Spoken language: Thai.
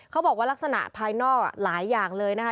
เขาบอกว่าลักษณะภายนอกหลายอย่างเลยนะคะ